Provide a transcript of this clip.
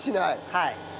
はい。